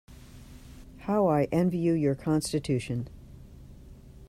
How I envy you your constitution!